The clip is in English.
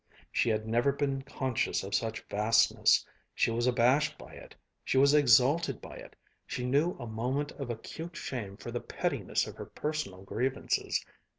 She had never been conscious of such vastness, she was abashed by it, she was exalted by it, she knew a moment of acute shame for the pettiness of her personal grievances.